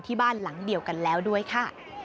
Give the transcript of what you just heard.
บ้านหลังเดียวกันแล้วด้วยค่ะ